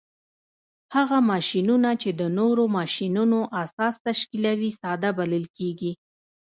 هغه ماشینونه چې د نورو ماشینونو اساس تشکیلوي ساده بلل کیږي.